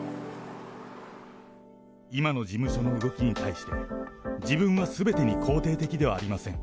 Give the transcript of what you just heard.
今の事務所の動きに対して、自分はすべてに肯定的ではありません。